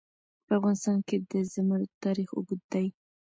په افغانستان کې د زمرد تاریخ اوږد دی.